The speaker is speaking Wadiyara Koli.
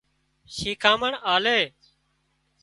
شيکامڻ آلي